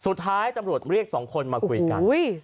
สุดท้ายตำรวจเรียกสองคนมาคุยกัน